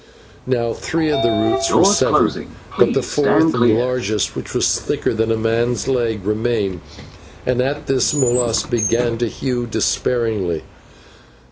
Now three of the roots were severed, but the fourth and largest, which was thicker than a man's leg, remained, and at this Molas began to hew despairingly.